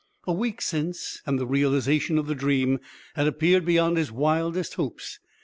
A week since, and the realization of the dream had appeared beyond his wildest hopes.